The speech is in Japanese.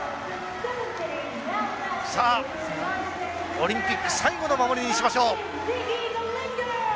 さあ、オリンピック最後の守りにしましょう。